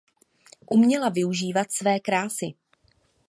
Uměla využívat své krásy.